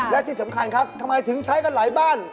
และที่สำคัญครับทำไมถึงใช้กันหลายบ้าน